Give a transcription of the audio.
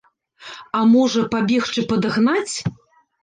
А можа, пабегчы падагнаць?